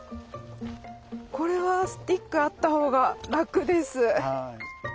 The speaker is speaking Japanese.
これはスティックあったほうが楽です。